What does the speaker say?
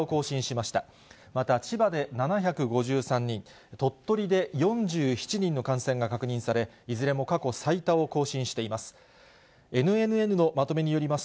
また千葉で７５３人、鳥取で４７人の感染が確認され、いずれも過去最多を更新しています。